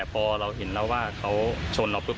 พอเราเห็นแล้วว่าเขาชนเราปุ๊บ